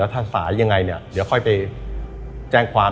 แล้วถ้าสายอย่างไรเนี่ยเดี๋ยวค่อยไปแจ้งความ